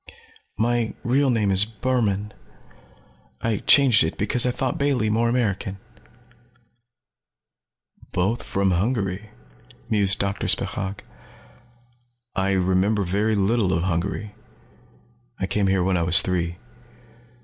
My real name is Burhmann. I changed it because I thought Bailey more American." "Both from Hungary," mused Doctor Spechaug. "I remember very little of Hungary. I came here when I was three.